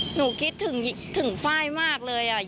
หนูคิดถึงฟ้ายมากเลยอ่ะยาย